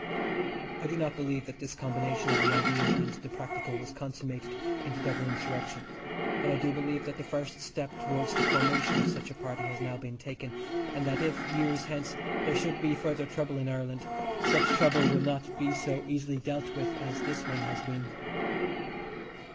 I do not believe that this combination of the ideal and the practical was consummated in the Dublin insurrection, but I do believe that the first step towards the formation of such a party has now been taken, and that if, years hence, there should be further trouble in Ireland such trouble will not be so easily dealt with as this one has been.